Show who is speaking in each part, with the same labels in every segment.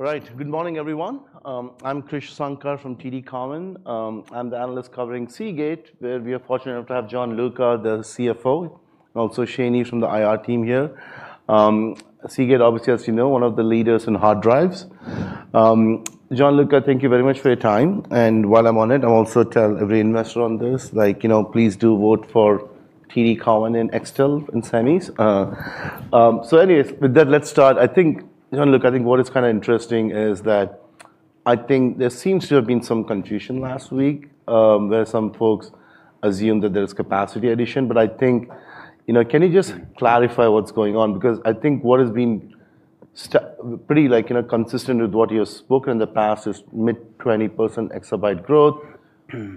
Speaker 1: All right. Good morning, everyone. I'm Krish Sankar from TD Cowen. I'm the analyst covering Seagate, where we are fortunate enough to have Gianluca Romano, the CFO, and also Shianne Hudson from the IR team here. Seagate, obviously, as you know, one of the leaders in hard drives. Gianluca Romano, thank you very much for your time. While I'm on it, I'll also tell every investor on this, like, you know, please do vote for TD Cowen in Extel and Institutional Investor. Anyways, with that, let's start. I think, Gianluca Romano, I think what is kinda interesting is that I think there seems to have been some confusion last week, where some folks assumed that there was capacity addition. I think, you know, can you just clarify what's going on? I think what has been pretty, like, you know, consistent with what you have spoken in the past is mid-20% exabyte growth,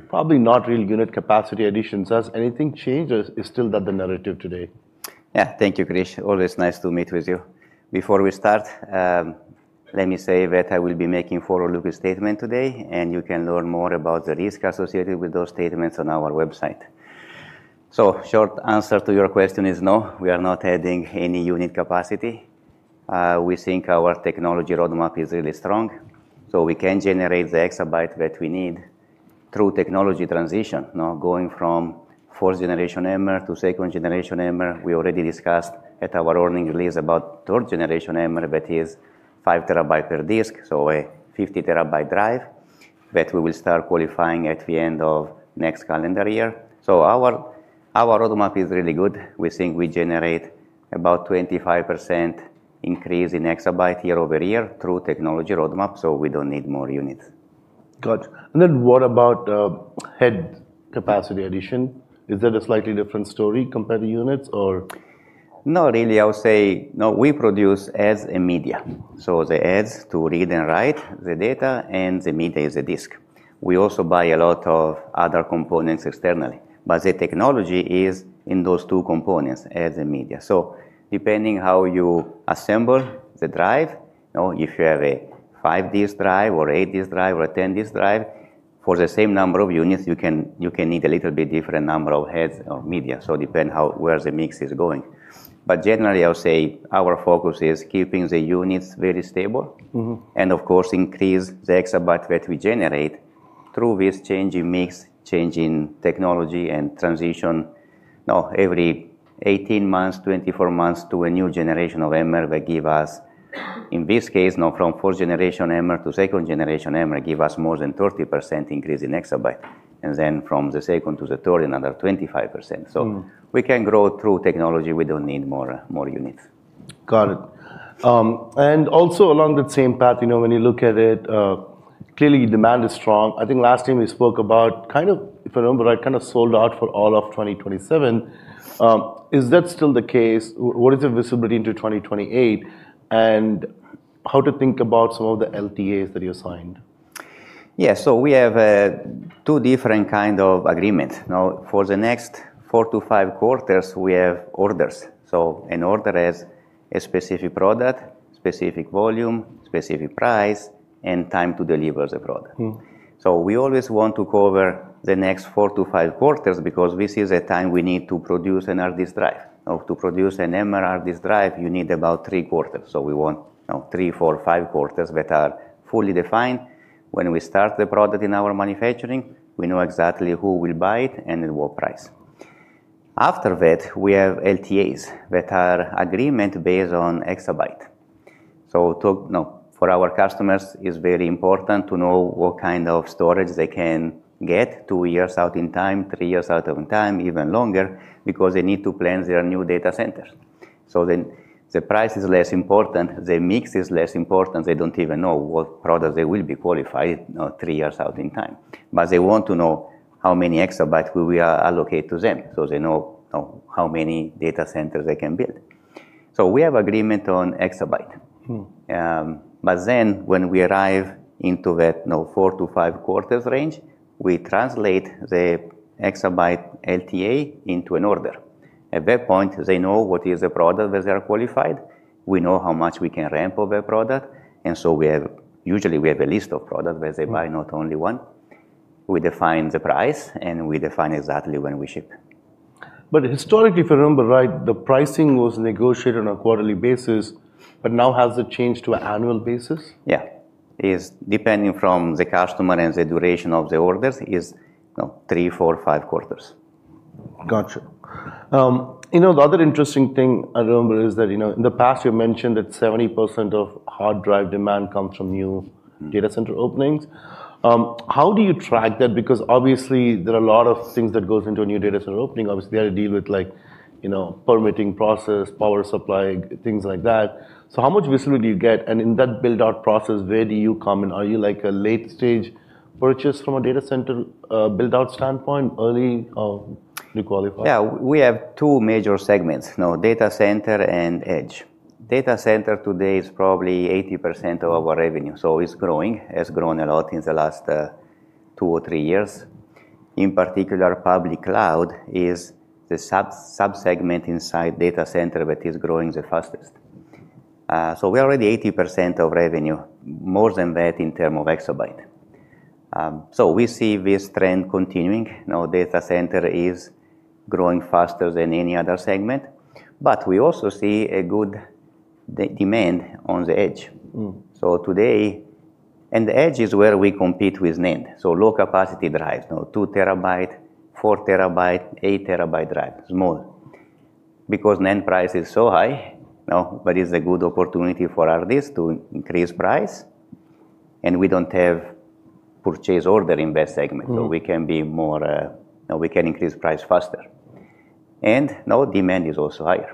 Speaker 1: probably not real unit capacity additions. Has anything changed or is still that the narrative today?
Speaker 2: Thank you, Krish. Always nice to meet with you. Before we start, let me say that I will be making four forward-looking statements today, and you can learn more about the risks associated with those statements on our website. Short answer to your question is no. We are not adding any unit capacity. We think our technology roadmap is really strong, so we can generate the exabyte that we need through technology transition, you know, going from fourth-generation HAMR, second-generation HAMR. We already discussed at our earning release about third-generation HAMR that is 5 TB per disk, a 50-TB drive that we will start qualifying at the end of next calendar year. Our roadmap is really good. We think we generate about 25% increase in exabyte year-over-year through technology roadmap, we don't need more units.
Speaker 1: Good. What about head capacity addition? Is that a slightly different story compared to units, or?
Speaker 2: Not really. I would say, you know, we produce heads and media. The heads to read and write the data, and the media is the disk. We also buy a lot of other components externally. The technology is in those two components as the media. Depending how you assemble the drive, you know, if you have a 5-disk drive or 8-disk drive or a 10-disk drive, for the same number of units, you can need a little bit different number of heads or media. Depend how where the mix is going. Generally, I would say our focus is keeping the units very stable. Of course, increase the exabyte that we generate through this changing mix, changing technology, and transition, you know, every 18 months, 24 months to a new generation of HAMR that give us, in this case, you know, from first-generation HAMR to second-generation HAMR, give us more than 30% increase in exabyte. From the second to the third, another 25%. So. We can grow through technology. We don't need more units.
Speaker 1: Got it. Also along that same path, you know, when you look at it, clearly, demand is strong. I think last time you spoke about kind of, if I remember right, kinda sold out for all of 2027. Is that still the case? What is your visibility into 2028 and how to think about some of the LTAs that you assigned?
Speaker 2: Yeah. We have, two different kind of agreements, you know. For the next four to five quarters, we have orders. An order has a specific product, specific volume, specific price, and time to deliver the product. We always want to cover the next four to five quarters because this is a time we need to produce an hard disk drive. You know, to produce an HAMR hard disk drive, you need about three quarters. We want, you know, three, four, five quarters that are fully defined. When we start the product in our manufacturing, we know exactly who will buy it and at what price. After that, we have LTAs that are agreement-based on exabyte. To you know, for our customers, it's very important to know what kind of storage they can get two years out in time, three years out in time, even longer because they need to plan their new data centers. The price is less important. The mix is less important. They don't even know what product they will be qualified, you know, three years out in time. They want to know how many exabytes we will allocate to them so they know, you know, how many data centers they can build. We have agreement on exabyte. When we arrive into that, you know, four to five quarters range, we translate the exabyte LTA into an order. At that point, they know what is the product that they are qualified. We know how much we can ramp up that product. We have usually, we have a list of products that they buy, not only one. We define the price, and we define exactly when we ship.
Speaker 1: Historically, if I remember right, the pricing was negotiated on a quarterly basis, but now has it changed to an annual basis?
Speaker 2: Yeah. It's depending from the customer and the duration of the orders, it's, you know, three, four, five quarters.
Speaker 1: Gotcha. you know, the other interesting thing, I remember, is that, you know, in the past, you mentioned that 70% of hard drive demand comes from new data center openings. How do you track that? Obviously, there are a lot of things that go into a new data center opening. Obviously, they have to deal with, like, you know, permitting process, power supply, things like that. How much visibility do you get? In that build-out process, where do you come in? Are you, like, a late-stage purchase from a data center, build-out standpoint, early, requalified?
Speaker 2: Yeah. We have two major segments, you know, Data Center and Edge. Data Center today is probably 80% of our revenue. It's growing. It's grown a lot in the last two or three years. In particular, public cloud is the sub-subsegment inside Data Center that is growing the fastest. We are already 80% of revenue, more than that in terms of exabyte. We see this trend continuing. You know, Data Center is growing faster than any other segment. We also see a good demand on the Edge. Today and the Edge is where we compete with NAND. Low-capacity drives, you know, two TB, four TB, eight TB drive, small. Because NAND price is so high, you know, that it's a good opportunity for hard disk to increase price. We don't have purchase order in that segment. We can be more, you know, we can increase price faster. Demand is also higher.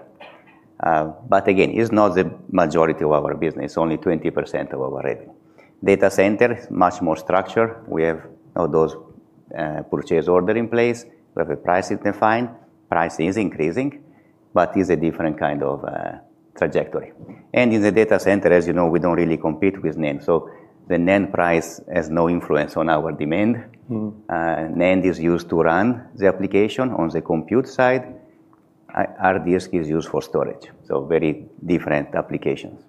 Speaker 2: Again, it's not the majority of our business, only 20% of our revenue. Data center, much more structure. We have, you know, those, purchase order in place. We have a price is defined. Price is increasing, but it's a different kind of, trajectory. In the data center, as you know, we don't really compete with NAND. The NAND price has no influence on our demand. NAND is used to run the application on the compute side. A hard disk is used for storage. Very different applications.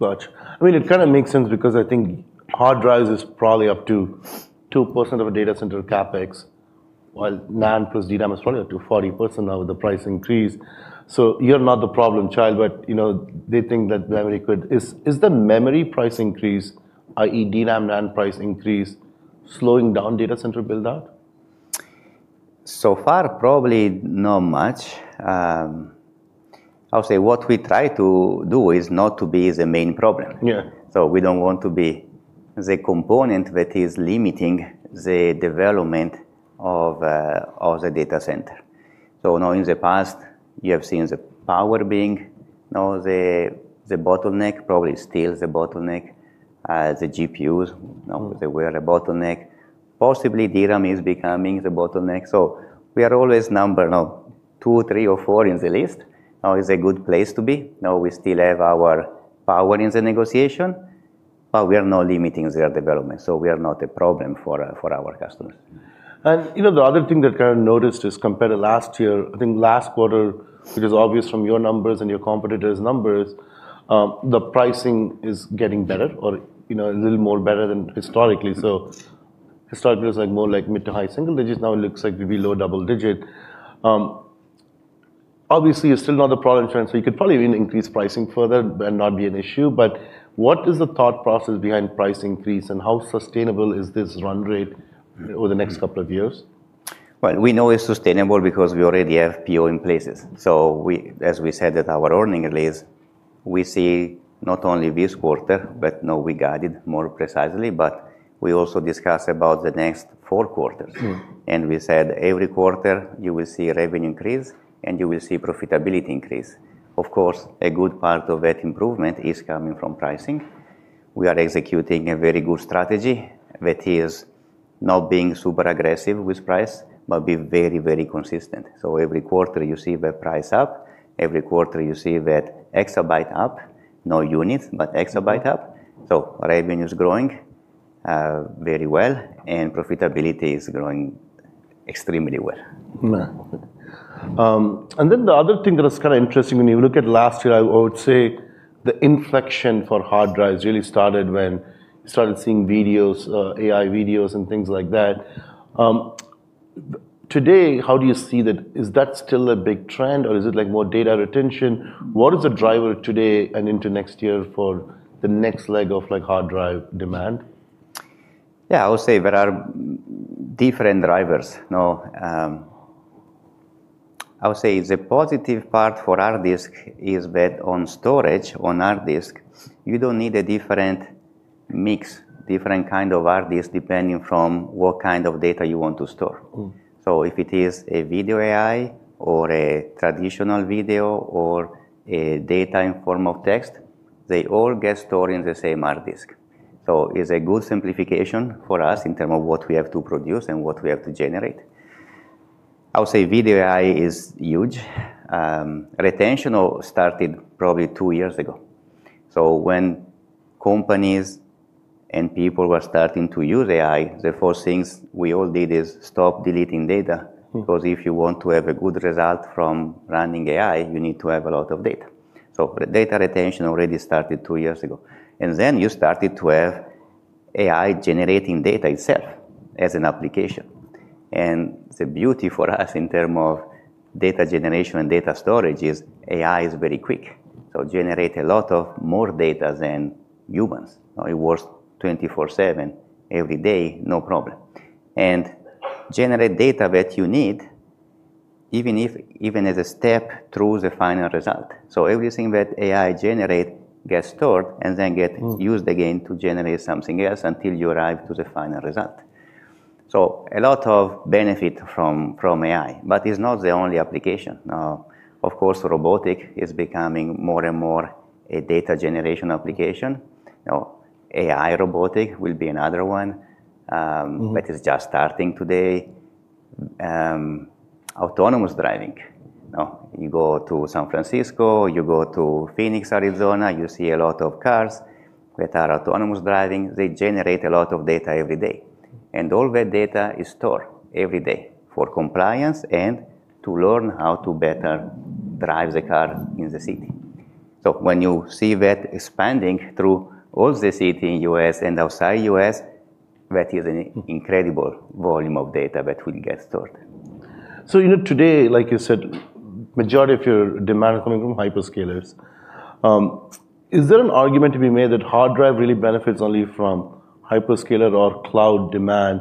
Speaker 1: Gotcha. I mean, it kinda makes sense because I think hard drives is probably up to 2% of a data center CAPEX, while NAND plus DRAM is probably up to 40% now with the price increase. You're not the problem child, you know, they think that memory is the memory price increase, i.e., DRAM/NAND price increase, slowing down data center build-out?
Speaker 2: So far, probably not much. I would say what we try to do is not to be the main problem.
Speaker 1: Yeah.
Speaker 2: We don't want to be the component that is limiting the development of the data center. You know, in the past, you have seen the power being, you know, the bottleneck, probably still the bottleneck, the GPUs, you know, that were a bottleneck. Possibly, DRAM is becoming the bottleneck. We are always number, you know, two, three, or four in the list. You know, it's a good place to be. You know, we still have our power in the negotiation, but we are not limiting their development. We are not a problem for our customers.
Speaker 1: You know, the other thing that kinda noticed is compared to last year, I think last quarter, which is obvious from your numbers and your competitors' numbers, the pricing is getting better or, you know, a little more better than historically. Historically, it was, like, more, like, mid to high single digits. Now it looks like it will be low double digit. Obviously, it is still not the problem insurance. You could probably even increase pricing further and not be an issue. What is the thought process behind price increase, and how sustainable is this run rate over the next couple of years?
Speaker 2: Well, we know it's sustainable because we already have PO in places. We as we said at our earnings release, we see not only this quarter, but, you know, we guided more precisely. We also discussed about the next four quarters. We said every quarter, you will see revenue increase, and you will see profitability increase. Of course, a good part of that improvement is coming from pricing. We are executing a very good strategy that is not being super aggressive with price but be very, very consistent. Every quarter, you see that price up. Every quarter, you see that exabyte up, not units, but exabyte up. Revenue is growing, very well, and profitability is growing extremely well.
Speaker 1: Mm-hmm. The other thing that is kinda interesting, when you look at last year, I would say the inflection for hard drives really started when you started seeing videos, AI videos and things like that. Today, how do you see that? Is that still a big trend, or is it, like, more data retention? What is the driver today and into next year for the next leg of, like, hard drive demand?
Speaker 2: Yeah. I would say there are different drivers, you know. I would say the positive part for hard disk is that on storage, on hard disk, you don't need a different mix, different kind of hard disk depending from what kind of data you want to store. It's a good simplification for us in terms of what we have to produce and what we have to generate. I would say video AI is huge. retention, you know, started probably two years ago. When companies and people were starting to use AI, the first things we all did is stop deleting data. If you want to have a good result from running AI, you need to have a lot of data. The data retention already started two years ago. Then you started to have AI generating data itself as an application. The beauty for us in terms of data generation and data storage is AI is very quick. It generates a lot of more data than humans. You know, it works 24/7. Every day, no problem. It generates data that you need even as a step through the final result. Everything that AI generates gets stored and then gets used again to generate something else until you arrive to the final result. A lot of benefit from AI. It's not the only application. You know, of course, robotics is becoming more and more a data generation application. You know, AI robotics will be another one, that is just starting today. Autonomous driving. You know, you go to San Francisco, you go to Phoenix, Arizona, you see a lot of cars that are autonomous driving. They generate a lot of data every day. All that data is stored every day for compliance and to learn how to better drive the car in the city. When you see that expanding through all the city in the U.S. and outside the U.S., that is an incredible volume of data that will get stored.
Speaker 1: You know, today, like you said, the majority of your demand is coming from hyperscalers. Is there an argument to be made that hard drive really benefits only from hyperscaler or cloud demand?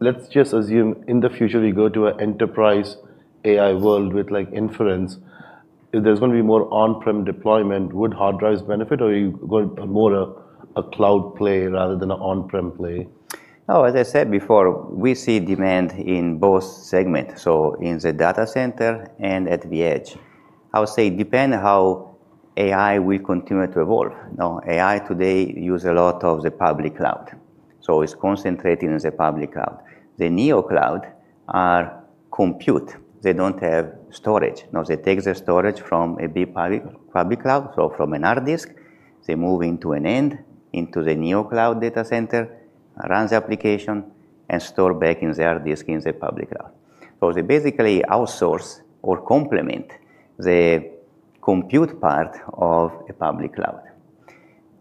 Speaker 1: Let's just assume in the future, we go to an enterprise AI world with, like, inference. If there's gonna be more on-prem deployment, would hard drives benefit, or are you going to more a cloud play rather than an on-prem play?
Speaker 2: As I said before, we see demand in both segments, in the data center and at the edge. I would say it depends how AI will continue to evolve. You know, AI today uses a lot of the public cloud. It's concentrating in the public cloud. The Neocloud are compute. They don't have storage. You know, they take the storage from a big public cloud, an hard disk. They move into an NAND, into the Neocloud data center, run the application, and store back in the hard disk in the public cloud. They basically outsource or complement the compute part of a public cloud.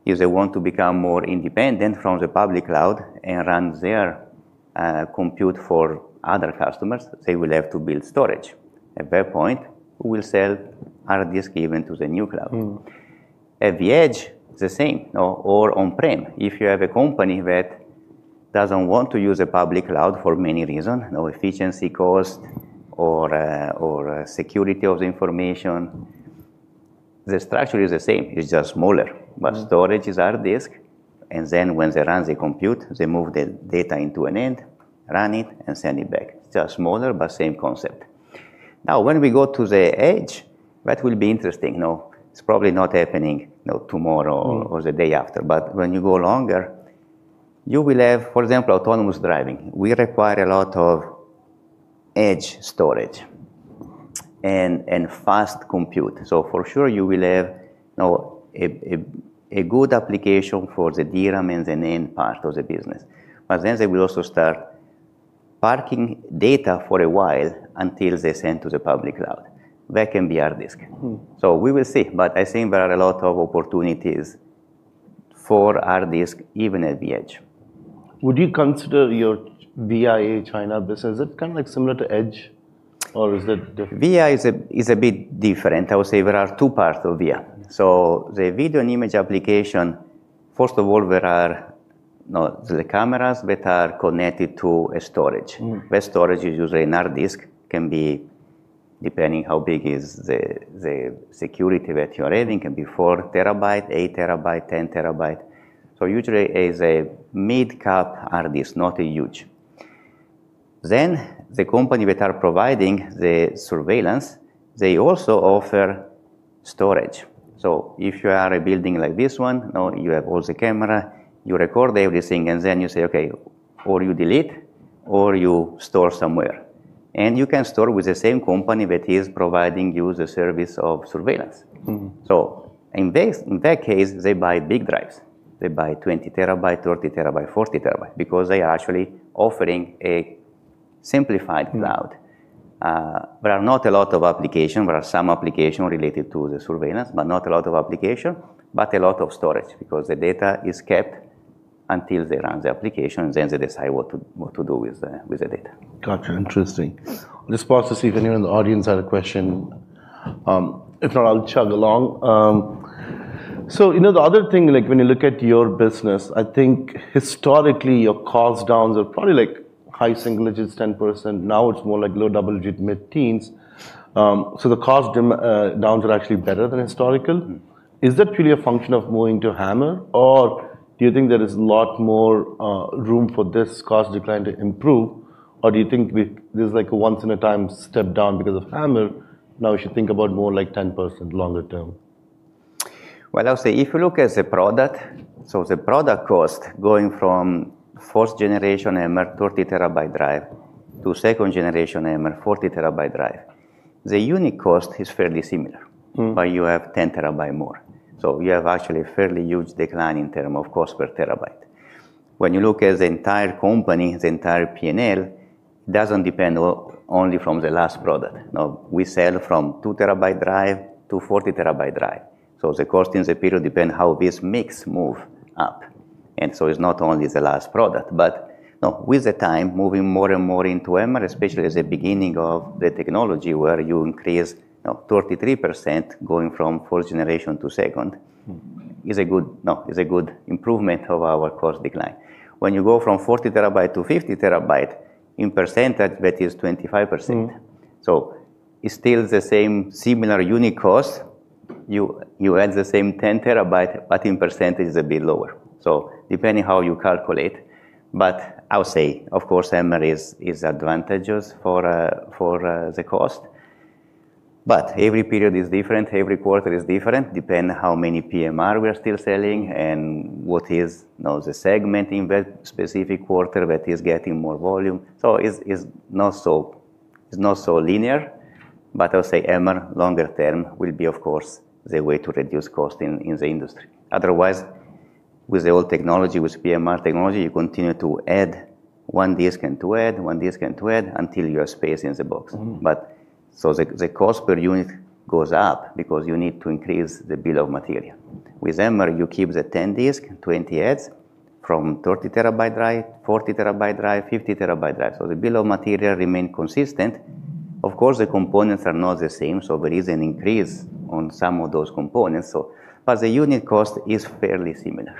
Speaker 2: If they want to become more independent from the public cloud and run their compute for other customers, they will have to build storage. At that point, we will sell hard disk even to the Neocloud. At the edge, it's the same, you know, or on-prem. If you have a company that doesn't want to use a public cloud for many reasons, you know, efficiency cost or security of the information, the structure is the same. It's just smaller. Storage is hard disk, and then when they run the compute, they move the data into an NAND, run it, and send it back. It's just smaller, but same concept. Now, when we go to the edge, that will be interesting. You know, it's probably not happening, you know, tomorrow or the day after. When you go longer, you will have for example, autonomous driving. We require a lot of edge storage and fast compute. For sure, you will have, you know, a, a good application for the DRAM and the NAND part of the business. They will also start parking data for a while until they send to the public cloud. That can be hard disk. We will see. I think there are a lot of opportunities for hard disk even at the edge.
Speaker 1: Would you consider your VIA China business? Is it kind of, like, similar to edge, or is it different?
Speaker 2: VIA is a bit different. I would say there are two parts of VIA. The video and image application, first of all, there are, you know, the cameras that are connected to a storage. That storage is usually an hard disk. It can be depending how big is the security that you're having. It can be 4 TB, 8 TB, 10 TB. Usually, it's a mid-cap hard disk, not a huge. The company that are providing the surveillance, they also offer storage. If you are a building like this one, you know, you have all the camera, you record everything, and then you say, "Okay," or you delete or you store somewhere. You can store with the same company that is providing you the service of surveillance. In that case, they buy big drives. They buy 20 TB, 30 TB, 40 TB because they are actually offering a simplified cloud. There are not a lot of applications. There are some applications related to the surveillance, but not a lot of applications, but a lot of storage because the data is kept until they run the application, and then they decide what to do with the data.
Speaker 1: Gotcha. Interesting. I'm just about to see if anyone in the audience had a question. If not, I'll chug along. You know, the other thing, like, when you look at your business, I think historically, your cost downs are probably, like, high single digits, 10%. Now it's more, like, low double digits, mid-teens. The cost downs are actually better than historical. Is that purely a function of moving to HAMR, or do you think there is a lot more room for this cost decline to improve, or do you think there's, like, a once-in-a-lifetime step down because of HAMR? Now we should think about more, like, 10% longer term.
Speaker 2: I would say if you look at the product, the product cost going from first-generation HAMR 30 TB drive to second-generation HAMR 40 TB drive, the unit cost is fairly similar. You have 10 TB more. You have actually a fairly huge decline in terms of cost per TB. When you look at the entire company, the entire P&L, it doesn't depend only from the last product. You know, we sell from 2 TB drive to 40 TB drive. The cost in the period depends how this mix moves up. It's not only the last product, you know, with the time, moving more and more into HAMR, especially at the beginning of the technology where you increase, you know, 33% going from first-generation to second. Is a good you know, it's a good improvement of our cost decline. When you go from 40 TB to 50 TB, in percentage, that is 25%. It's still the same similar unit cost. You add the same 10 TB, but in percentage, it's a bit lower. Depending how you calculate. I would say, of course, HAMR is advantageous for the cost. Every period is different. Every quarter is different depending on how many PMR we are still selling and what is, you know, the segment in that specific quarter that is getting more volume. It's not so linear. I would say HAMR, longer term, will be, of course, the way to reduce cost in the industry. Otherwise, with the old technology, with PMR technology, you continue to add one disk and two add, one disk and two add until you have space in the box. The cost per unit goes up because you need to increase the bill of material. With HAMR, you keep the 10 disks, 20 heads, from 30 TB drive, 40 TB drive, 50 TB drive. The bill of material remains consistent. Of course, the components are not the same, so there is an increase on some of those components. The unit cost is fairly similar.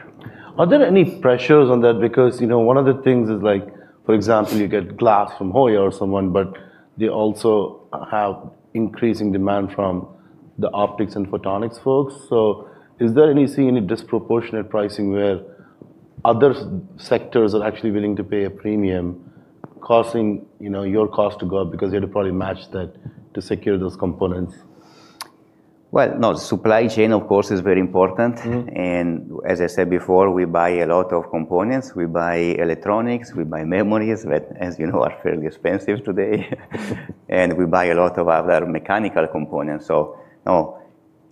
Speaker 1: Are there any pressures on that? Because, you know, one of the things is, like, for example, you get glass from Hoya or someone, but they also have increasing demand from the optics and photonics folks. Is there any disproportionate pricing where other sectors are actually willing to pay a premium causing, you know, your cost to go up because you had to probably match that to secure those components?
Speaker 2: Well, no. Supply chain, of course, is very important. As I said before, we buy a lot of components. We buy electronics. We buy memories that, as you know, are fairly expensive today. We buy a lot of other mechanical components. You know,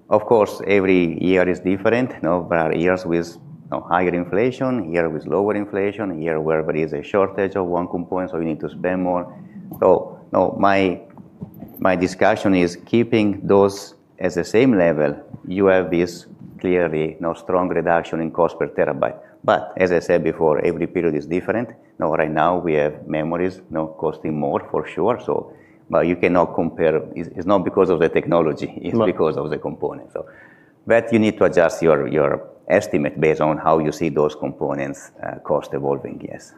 Speaker 2: of course, every year is different. You know, there are years with higher inflation, years with lower inflation, years where there is a shortage of one component, so you need to spend more. You know, my discussion is keeping those at the same level. You have this clearly, you know, strong reduction in cost per TB. As I said before, every period is different. You know, right now, we have memories, you know, costing more for sure. You cannot compare. It's not because of the technology. It's because of the components. You need to adjust your estimate based on how you see those components, cost evolving, yes.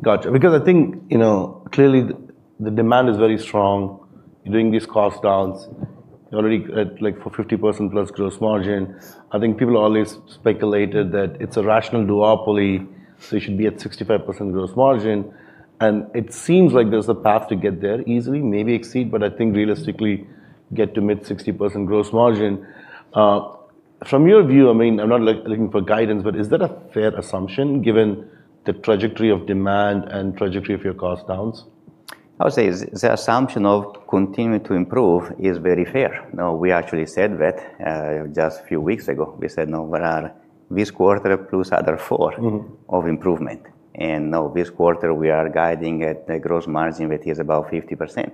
Speaker 1: Gotcha. I think, you know, clearly, the demand is very strong. You're doing these cost downs. You're already at, like, 50% plus gross margin. I think people always speculated that it's a rational duopoly, so you should be at 65% gross margin. It seems like there's a path to get there easily, maybe exceed, but I think realistically, get to mid-60% gross margin. From your view, I mean, I'm not looking for guidance, but is that a fair assumption given the trajectory of demand and trajectory of your cost downs?
Speaker 2: I would say it's an assumption of continuing to improve is very fair. You know, we actually said that, just a few weeks ago. We said, you know, there are this quarter plus other four of improvement. You know, this quarter, we are guiding at the gross margin that is about 50%.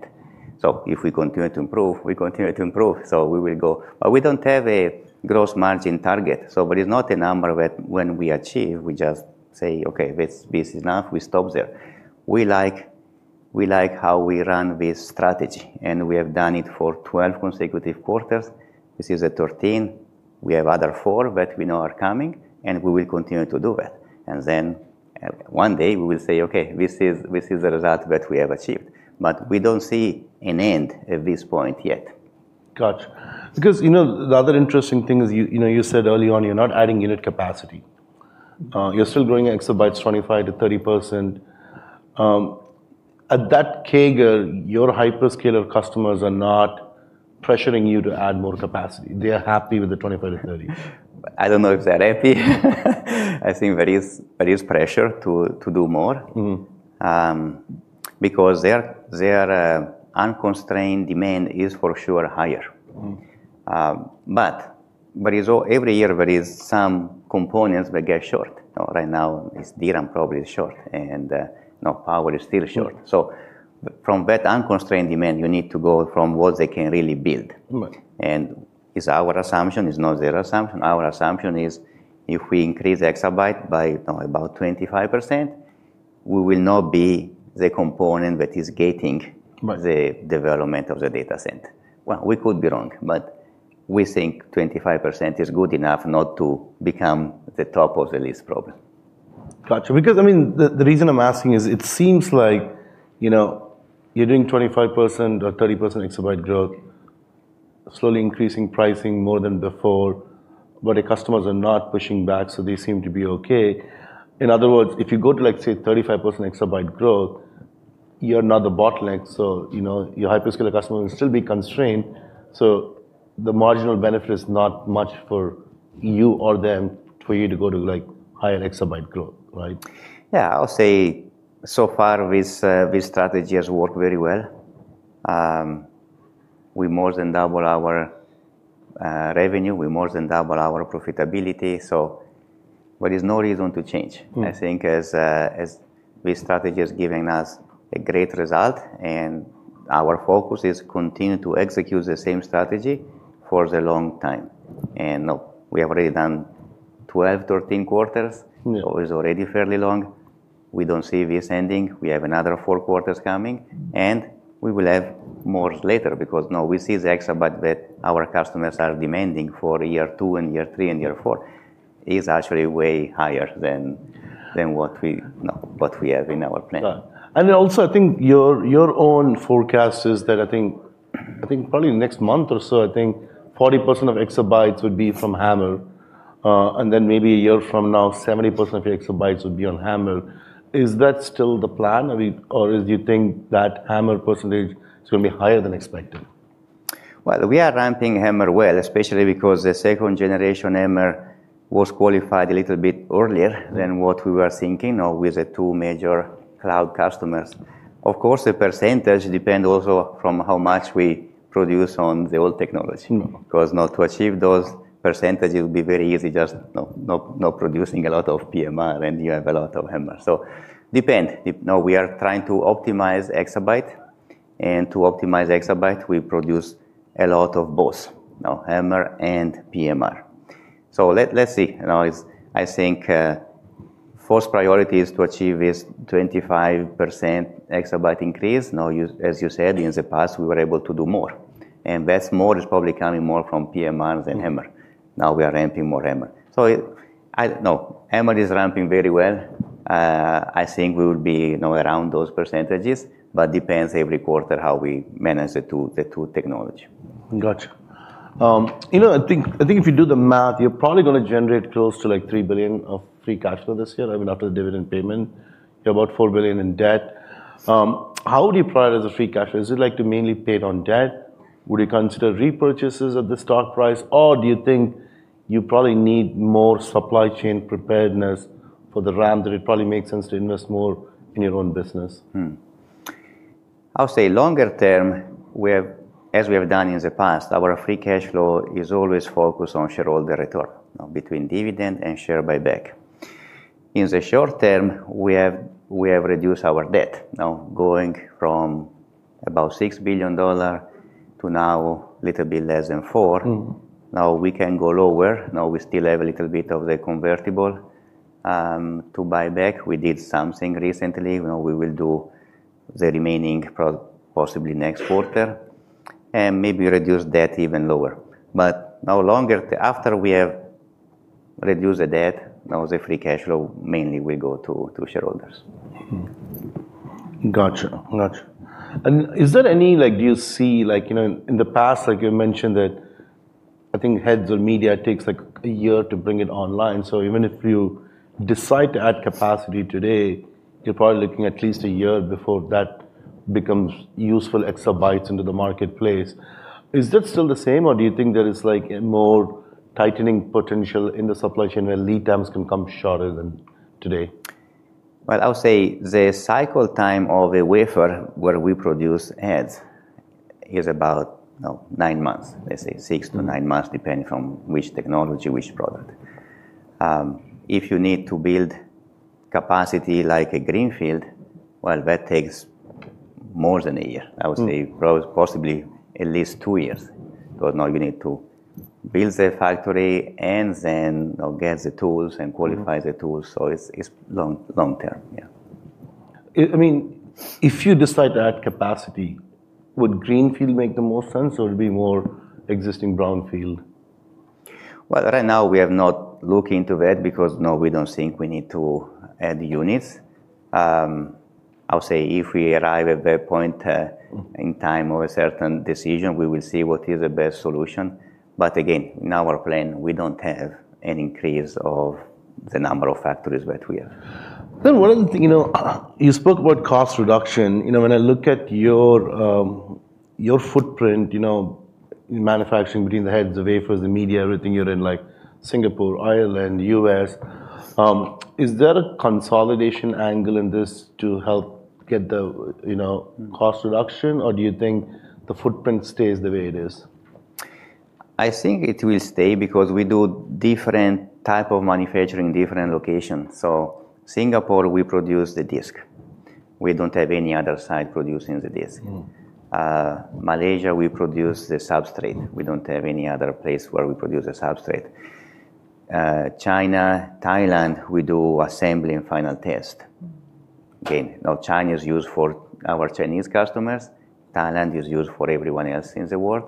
Speaker 2: If we continue to improve, we continue to improve. We will go but we don't have a gross margin target. It's not a number that when we achieve, we just say, "Okay, this is enough." We stop there. We like how we run this strategy. We have done it for 12 consecutive quarters. This is the 13th. We have other four that we know are coming, and we will continue to do that. One day, we will say, Okay, this is the result that we have achieved. We don't see an end at this point yet.
Speaker 1: Gotcha. You know, the other interesting thing is you know, you said early on you're not adding unit capacity. You're still growing exabytes 25%-30%. At that CAGR, your hyperscaler customers are not pressuring you to add more capacity. They are happy with the 25%-30%.
Speaker 2: I don't know if they're happy. I think there is pressure to do more. Their unconstrained demand is for sure higher. Every year, there is some components that get short. You know, right now, it's DRAM probably is short, and, you know, power is still short. From that unconstrained demand, you need to go from what they can really build.
Speaker 1: Right.
Speaker 2: It's our assumption. It's not their assumption. Our assumption is if we increase exabyte by, you know, about 25%, we will not be the component that is getting.
Speaker 1: Right.
Speaker 2: The development of the data center. Well, we could be wrong, but we think 25% is good enough not to become the top of the list problem.
Speaker 1: Gotcha. I mean, the reason I’m asking is it seems like, you know, you’re doing 25% or 30% exabyte growth, slowly increasing pricing more than before, but your customers are not pushing back, so they seem to be okay. In other words, if you go to, like, say, 35% exabyte growth, you’re not the bottleneck. You know, your hyperscaler customer will still be constrained. The marginal benefit is not much for you or them for you to go to, like, higher exabyte growth, right?
Speaker 2: I would say so far, this strategy has worked very well. We more than double our revenue. We more than double our profitability. There's no reason to change. I think as this strategy is giving us a great result, our focus is to continue to execute the same strategy for a long time. You know, we have already done 12, 13 quarters. It's already fairly long. We don't see this ending. We have another four quarters coming. We will have more later because, you know, we see the exabyte that our customers are demanding for year two and year three and year four is actually way higher than what we you know, what we have in our plan.
Speaker 1: Right. Also, I think your own forecast is that I think probably next month or so, I think 40% of exabytes would be from HAMR. Maybe a year from now, 70% of your exabytes would be on HAMR. Is that still the plan? Are we or do you think that HAMR percentage is going to be higher than expected?
Speaker 2: Well, we are ramping HAMR well, especially because the second-generation HAMR was qualified a little bit earlier than what we were thinking, you know, with the two major cloud customers. Of course, the % depends also from how much we produce on the old technology. Not to achieve those %, it would be very easy just, you know, not producing a lot of PMR, and you have a lot of HAMR. Depends. You know, we are trying to optimize exabyte. To optimize exabyte, we produce a lot of both, you know, HAMR and PMR. Let's see. You know, it's I think, first priority is to achieve this 25% exabyte increase. You know, you as you said, in the past, we were able to do more. That's more is probably coming more from PMR than HAMR. Now we are ramping more HAMR. I you know, HAMR is ramping very well. I think we will be, you know, around those percentages, but depends every quarter how we manage the two technologies.
Speaker 1: Gotcha. you know, I think if you do the math, you're probably going to generate close to, like, $3 billion of free cash flow this year. I mean, after the dividend payment, you're about $4 billion in debt. How would you prioritize the free cash flow? Is it, like, to mainly pay it on debt? Would you consider repurchases at the stock price, or do you think you probably need more supply chain preparedness for the ramp that it probably makes sense to invest more in your own business?
Speaker 2: I would say longer term, we have as we have done in the past, our free cash flow is always focused on shareholder return, you know, between dividend and share buyback. In the short term, we have reduced our debt, you know, going from about $6 billion to now a little bit less than $4 billion. Now we can go lower. You know, we still have a little bit of the convertible, to buyback. We did something recently. You know, we will do the remaining pro possibly next quarter and maybe reduce debt even lower. Now longer after we have reduced the debt, you know, the free cash flow mainly will go to shareholders.
Speaker 1: Gotcha. Gotcha. Is there any like, do you see, like, you know, in the past, like, you mentioned that I think heads or media takes, like, a year to bring it online. Even if you decide to add capacity today, you're probably looking at least a year before that becomes useful exabytes into the marketplace. Is that still the same, or do you think there is, like, more tightening potential in the supply chain where lead times can come shorter than today?
Speaker 2: Well, I would say the cycle time of a wafer where we produce heads is about, you know, nine months, let's say, six to nine months depending from which technology, which product. If you need to build capacity like a greenfield, well, that takes more than a year. I would say possibly at least two years because, you know, you need to build the factory and then, you know, get the tools and qualify the tools. It's long, long term, yeah.
Speaker 1: I mean, if you decide to add capacity, would greenfield make the most sense, or it'd be more existing brownfield?
Speaker 2: Well, right now, we have not looked into that because, you know, we don't think we need to add units. I would say if we arrive at that point, in time of a certain decision, we will see what is the best solution. Again, in our plan, we don't have an increase of the number of factories that we have.
Speaker 1: One other thing, you know, you spoke about cost reduction. You know, when I look at your footprint, you know, in manufacturing between the heads, the wafers, the media, everything, you're in, like, Singapore, Ireland, U.S. Is there a consolidation angle in this to help get the, you know, cost reduction, or do you think the footprint stays the way it is?
Speaker 2: I think it will stay because we do different type of manufacturing in different locations. Singapore, we produce the disk. We don't have any other site producing the disk. Malaysia, we produce the substrate. We don't have any other place where we produce a substrate. China, Thailand, we do assembly and final test. Again, you know, China is used for our Chinese customers. Thailand is used for everyone else in the world.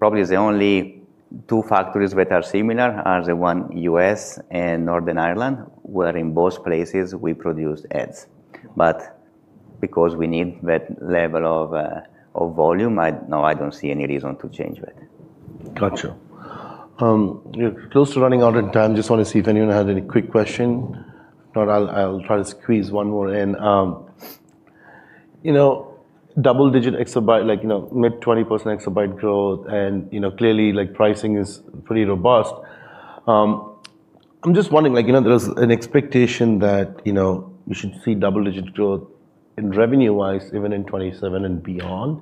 Speaker 2: Probably the only two factories that are similar are the one U.S. and Northern Ireland, where in both places, we produce heads. Because we need that level of volume, I don't see any reason to change that.
Speaker 1: Gotcha. You're close to running out of time. Just want to see if anyone had any quick question. If not, I'll try to squeeze one more in. You know, double-digit exabyte like, you know, mid-20% exabyte growth, and, you know, clearly, like, pricing is pretty robust. I'm just wondering, like, you know, there is an expectation that, you know, we should see double-digit growth in revenue-wise even in 2027 and beyond.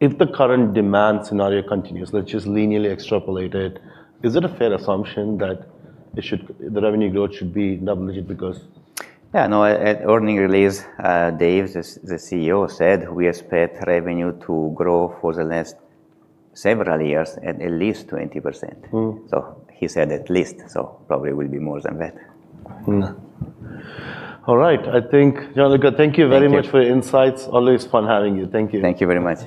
Speaker 1: If the current demand scenario continues, let's just linearly extrapolate it, is it a fair assumption that the revenue growth should be double-digit because?
Speaker 2: Yeah. No, at earnings release, Dave, the CEO, said we expect revenue to grow for the next several years at least 20%. He said at least, so probably will be more than that.
Speaker 1: All right. I think, Gianluca Romano, thank you very much for your insights.
Speaker 2: Thank you.
Speaker 1: Always fun having you. Thank you.
Speaker 2: Thank you very much.